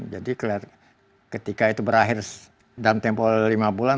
jadi ketika itu berakhir dalam tempoh lima bulan